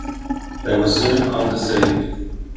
They were soon undeceived.